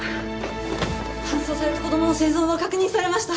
搬送された子供の生存は確認されました。